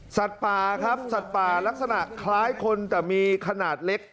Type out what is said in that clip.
สัตว์ป่าครับสัตว์ป่าลักษณะคล้ายคนแต่มีขนาดเล็ก